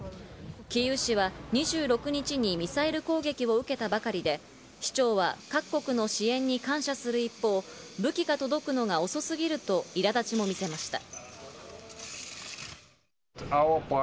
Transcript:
キーウ市は２６日にミサイル攻撃を受けたばかりで、市長は各国の支援に感謝する一方、武器が届くのが遅すぎると、いら立ちも見せました。